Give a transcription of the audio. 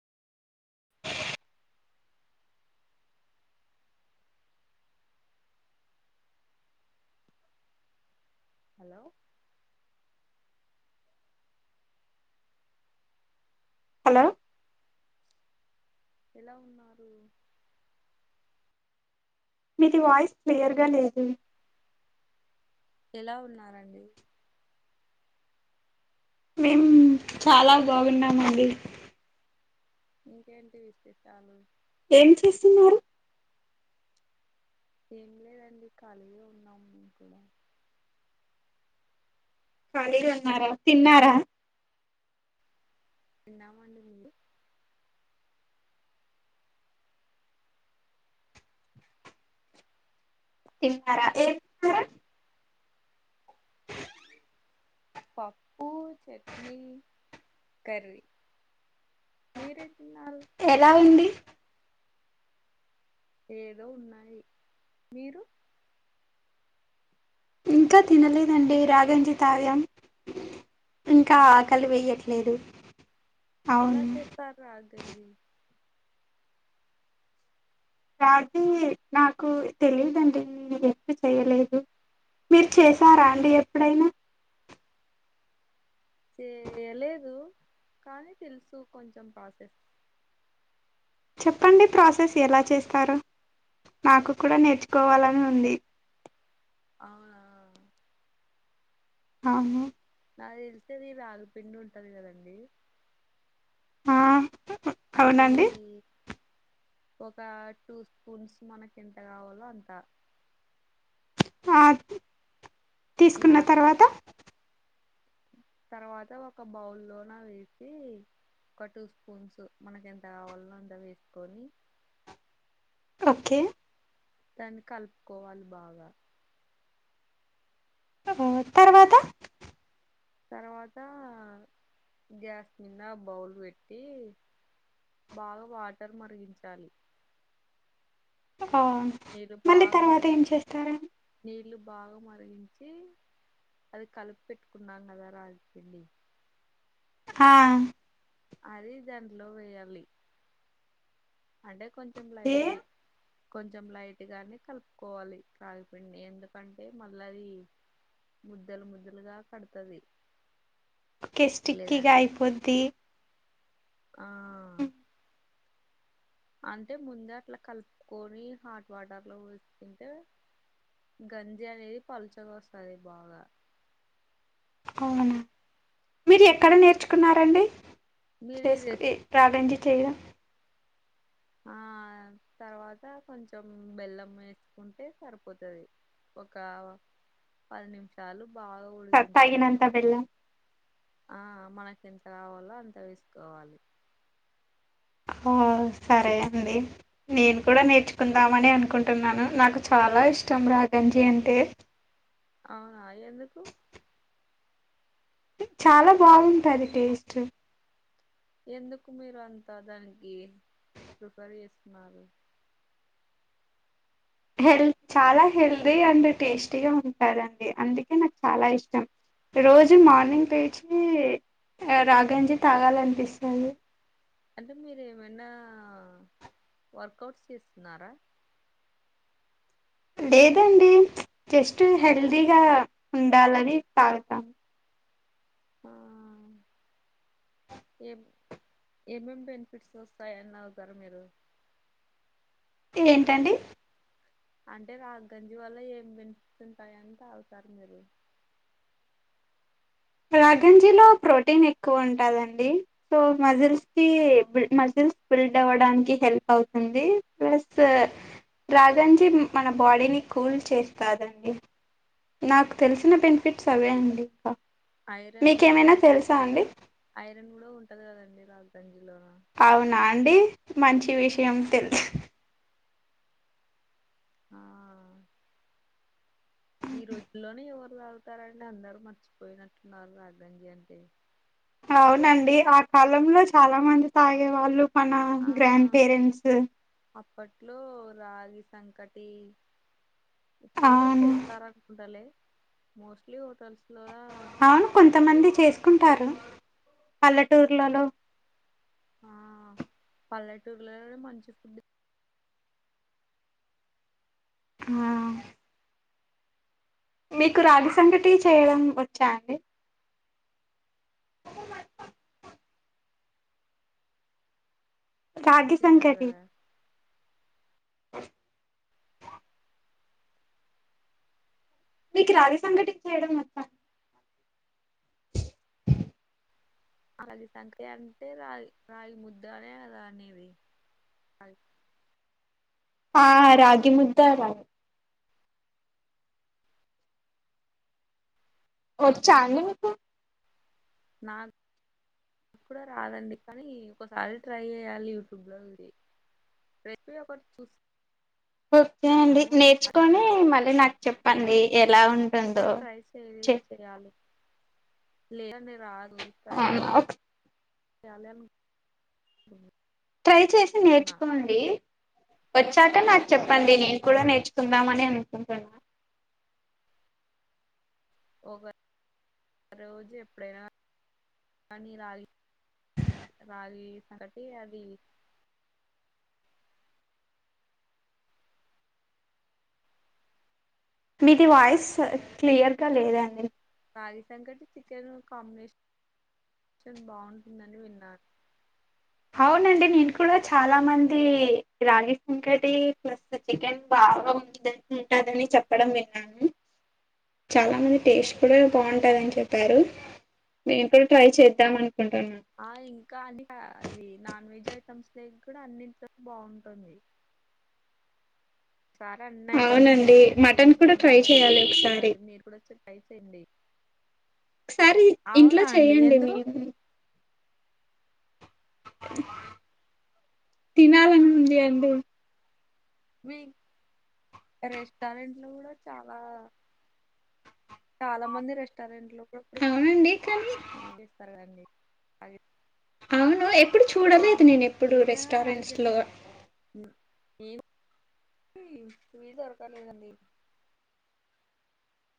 hello hello ఎలా ఉన్నారు మీది వాయిస్ క్లియర్గా లేదు ఎలా ఉన్నారండి మేం చాలా బాగున్నామండి ఇంకేంటి విశేషాలు ఏం చేస్తున్నారు ఏం లేదండి కాలిగా ఉన్నాం మేము కూడా కాలిగున్నారా తిన్నారా తిన్నాం అని మీరు తిన్నారా ఎం తిన్నారు పప్పు చట్నీ కర్రీ మీరేం తిన్నారు ఎలా ఉంది ఏదో ఉన్నాయి మీరు ఇంకా తినలేదండి రాగంజి తగం ఇంకా అవునా ఆకలి వెయ్యట్లేదు ఎలా చేస్తారు రాగంజీ రాగంజీ నాకు తెలిదండి ఎప్పు చెయలేదు మీరు చేసారా అండి ఎప్పుడైనా చేయలేదు కానీ తెలుసు కొంచెం ప్రసెస్ చెప్పండి ప్రాసెస్ ఎలా చేస్తారొ నాకు కూడా నేర్చుకోవాలని ఉంది అవునా అహ నాకు తెలిసేది రాగుపిండి ఉంటది కదండీ ఆ అది అవునండి ఒక టూ స్పూన్స్ మనకి ఎంత కావాళ్ళో అంత అ తీసుకున్న వాట్ తర్వాత తర్వాత ఒక బౌల్ లోన వేసి ఒక టూ స్పూన్స్ మనకి ఎంత కావాల్నో అంత వేసుకొని ఓకే దాన్ని కలుపుకోవాలి బాగా తర్వాత తర్వాత గ్యాస్ మిందా బౌల్ పెట్టి బాగా వాటర్ మరిగించాలి అ నీళ్ళు మళ్ళీ తర్వాత ఏం చేస్తారా నీల్లు బాగా మరిగించి అది కలిపి పెట్టుకున్నాం కదా రాగిపిండిని అ అది దాంట్లో వేయాలి అంటే కొంచం ఏ లైల్ కొంచెం లైట్ గానే కలుపుకోవాలి రాగిిపిండి ఎందుకంటే మళ్ళది ముద్దలు ముద్దలుగా కడ్తుది కెస్టిక్కిగా అయిపోద్ది ఆ అంటే ముందే అట్లా కలుపుకొని హాట్ వాటర్ లో వేసుకుంటే గంజి అనేది పలుచగొస్తది బాగా అవునా మీరు ఎక్కడ నేర్చుకున్నారండి మీరు ఈ రెస్ చేసుకి రాగంజి చేయడం ఆ తర్వాత కొంచెం బెల్లం వేసుకుంటే సరిపోతది ఒక పది నిమిషాలు బాగా ఉడికించాలి సత్తాగినంత బెళ్ళం ఆ మనకి ఎంత కావాలో అంత వేసుకోవాలి ఓ సరే అండి నేను కూడా నేర్చుకుందామనె అనుకుంటున్నాను నాకు చ చాలా ఇష్టం రాగంజి అంటే అహ ఎందుకు చాలా బాగుంటది టేస్ట్ ఎందుకు మీరు అంతా దానికి ప్రిఫర్ చేస్తున్నారు హెల్త్ చాలా హెల్దీ అండ్ టేస్టీగా ఉంటాదండి అందుకే నాకు చాలా ఇష్టం రోజు మార్నింగ్ లేచి రాగంజి తాగాలనిపిస్తది అంటే మీరు ఏమన్నా వర్కౌట్స్ చేస్తున్నారా లేదండి జస్ట్ మరి హెల్దీగా ఉండాలని తాగుతాం ఆ ఎప్ ఏమేమ్ బెనిఫిట్స్ వస్తాయని తాగుతారు మీరు ఏంటండి అంటే రాగ్ గంజి వల్ల ఏం బెనిఫిట్స్ ఉంటాయని తగుతారు మీరు రాగంజీలో ప్రోటీన్ ఎక్కువ ఉంటదండి సో మజిల్స్ కి మజిల్ బిల్డ్ అవ్వడానికి హెల్ప్ అవుతుంది ప్లస్ రాఘన్జీ మన బాడీని కూల్ చేస్తాదండి నాకు తెలిసిన బెనిఫిట్స్ అవే అండి ఇంకా ఐరన్ మీకేమైనా కాల్షియం తెలుసా అండి ఐరన్ గుడా ఉంటది కదండి రాగ అవునా అండి మంచి విషయం తెల్స్ ఆ ఈ రోజుళ్ళోనే ఎవ్వరు తగుతారండి అందరు మర్చిపోయినట్టున్నారు రాగంజి అంటే అవునండి ఆ కాలంలో చాలా మంది తాగేవాళ్ళు మన ఆ గ్రాండ్ పేరెంట్స్ అప్పట్లో రాగి సంకటి ఇప్పుడు కూడా అవును చేస్తారనుకుంటలే మోస్ట్లీ హోటల్స్ లోన ఆ కొంతమంది చేసుకుంటారు పల్లెటూర్లలో ఆ పల్లెటూర్లోలోనే మంచి ఫుడ్ ఆ మీకు రాగి సంగటి చేయడం వచ్చా అండి రాగి తింటారు సంగటి కదా అ మీకు రాగి సంఘటి చెయడం మొ రాగి సంగటి అంటే రాగి రాగి ముద్దనే అదనేది అ ఆ రాగి ముద్ద రా వచ్చండి మీకు నాక్ డ రాదండి కానీ ఒకసారి ట్రై చేయాలి యూట్యూబ్లో ఇది రెసిపీ ఒకటి చూస్ ఓకే అండి నేర్చుకొని మళ్ళీ నాక్ చెప్పండి ఎలా ఉంటుందో ఎప్పుడు ట్రై చె చేయలేదు చేయాలి లేదంటే రాదు ట్రై అవునా ఒక యాలం ట్రై చేసి నేర్చుకోండి వచ్చాకా నాక్ చెప్పండి నేను కూడా నేర్చుకుందామనె అనుకుంటున్నా ఒక రోజు ఎప్పుడైనా కానీ రా రాగి సంగటి అది మీది వాయిస్ క్లియర్గా లేదాండి అది సంకటి చికెన్ కాంబినేషన్ షన్ బాగుంటుందని విన్నా అవునండి నేను కూడా చాలా మంది రాగి సంగటి ప్లస్ చికెన్ బా అ ఉంటదని చెప్పడం విన్నాను చాలా మంది టేస్ట్ కూడా బాగుంటందని చెప్పారు మేము కూడా ట్రై చేద్దాం అను ఆ ఇంకా అండి అవి నాన్ వెజ్ ఐటెమ్స్ లే కూడా అన్నింటిలోకి బాగుంటుంది చానా అన్ని ఐటమ్స్ అవునండి లేకి మటన్ కూడా చేసుకొని ట్రై చేయాలి చేసి ఒకసారి తినాలి మీరు కూడా వచ్చి ట్రై చేయండి ఒకసారి ఇంట్లో అవునా అండి చెయ్యండి ఎందుకు మీరు తినాలని ఉంది అండి మీ రెస్టారెంట్లు కూడా చాలా చాలా మంది రెస్టారెంట్లు కూడా ఇప్పుడు అవునండి కని అది అవును ఎప్పుడు చూడలేదు నేను ఎప్పుడు ఏవైనా రెస్టారెంట్స్లో వి ఎవి దొరకలేదండి